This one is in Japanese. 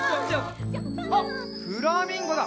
あっフラミンゴだ！